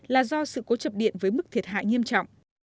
là do sự cố chập điện với mức thiệt hại nghiêm trọng